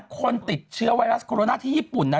คนติดเชื้อไวรัสโคโรนาที่ญี่ปุ่นนะ